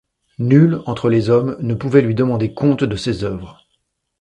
Nul, entre les hommes, ne pouvait lui demander compte de ses œuvres.